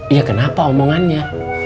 ya kenapa omongannya